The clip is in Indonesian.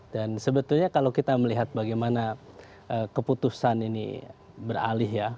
dan sebetulnya kalau kita melihat bagaimana keputusan ini beralih ya